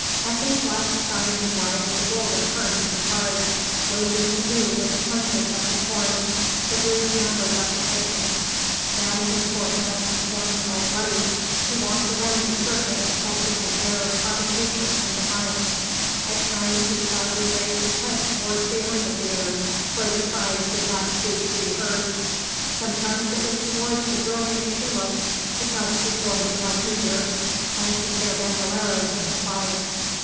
At these last signs of life the bull returned to the charge, wounding anew with plunges of his horns the bruised members of his victims. Then, his forehead and horns all bloody, he walked around the circus affecting an air of provocation and defiance: at times he proudly raised his head towards the amphitheatre, where the cries did not cease to be heard; sometimes it was towards the brilliant chulos who passed before him like meteors, planting their banderillos in his body.